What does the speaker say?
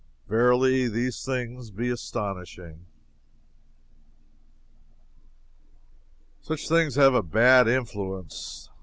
Verily, these things be astonishing!" Such things have a bad influence.